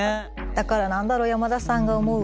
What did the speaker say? だから何だろう山田さんが思う